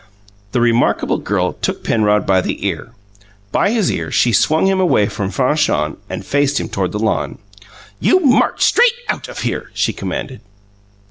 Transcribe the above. The remarkable girl took Penrod by the ear. By his ear she swung him away from Fanchon and faced him toward the lawn. "You march straight out of here!" she commanded.